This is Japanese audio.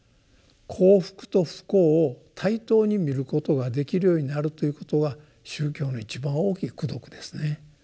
幸福と不幸を対等に見ることができるようになるということは宗教の一番大きい功徳ですね。